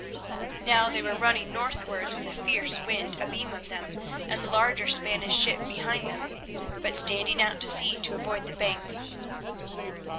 Now they were running northwards with a fierce wind abeam of them, and the larger Spanish ship behind, but standing further out to sea to avoid the banks.